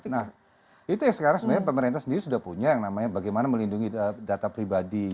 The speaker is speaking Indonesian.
nah itu yang sekarang sebenarnya pemerintah sendiri sudah punya yang namanya bagaimana melindungi data pribadi